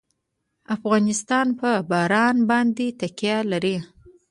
افغانستان په باران باندې تکیه لري.